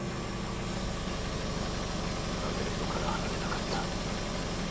なぜ江戸から離れなかった？